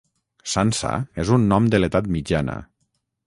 Sança és un nom de l'edat mitjana.